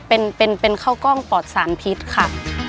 เป็นข้าวกล้องปอดสารพิษค่ะ